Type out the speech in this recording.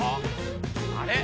あれ？